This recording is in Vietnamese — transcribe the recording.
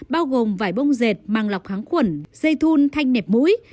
bao gồm vải bông dệt màng lọc kháng khuẩn dây thun thanh nẹp mũi